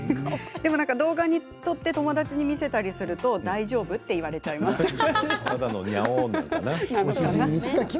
動画に撮って友達に見せると大丈夫？と言われちゃいます。